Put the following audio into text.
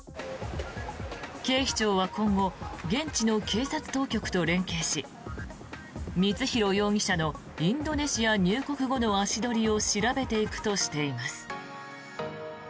警視庁は今後、現地の警察当局と連携し光弘容疑者のインドネシア入国後の足取りを調べていくとしています。